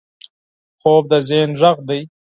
خوب د ذهن غږ دی